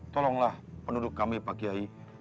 tolonglah penduduk kami pak kiai